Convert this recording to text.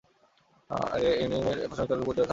এ ইউনিয়নের প্রশাসনিক কার্যক্রম কুতুবদিয়া থানার আওতাধীন।